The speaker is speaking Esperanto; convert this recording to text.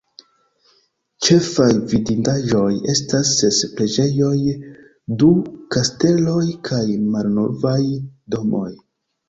Ĉefaj vidindaĵoj estas ses preĝejoj, du kasteloj kaj malnovaj domoj.